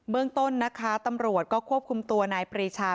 เมืองต้นนะคะตำรวจก็ควบคุมตัวนายปรีชา